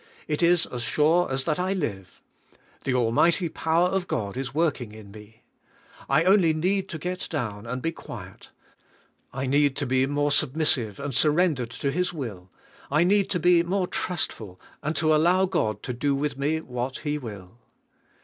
It is as sure as that I live. The almighty power of God is working in me. I only need to get down, and be quiet; I need to be more 176 THA T GOD MA Y BE ALL IN ALL submissive, and surrendered to His will; I need to be more trustful, and to allow God to do with me what He will."